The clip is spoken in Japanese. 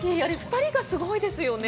２人がすごいですよね。